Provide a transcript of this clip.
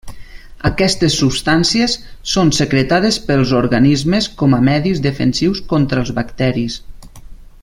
Aquestes substàncies són secretades pels organismes com a medis defensius contra els bacteris.